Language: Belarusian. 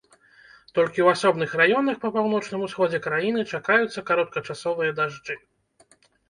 Толькі ў асобных раёнах па паўночным усходзе краіны чакаюцца кароткачасовыя дажджы.